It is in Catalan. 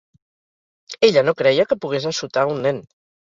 Ella no creia que pogués assotar a un nen.